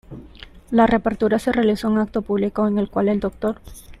La reapertura se realizó en un acto público en el cual el Dr.